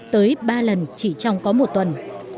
tới ba lần chỉ trong có một tuần